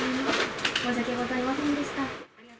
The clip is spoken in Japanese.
申し訳ございませんでした。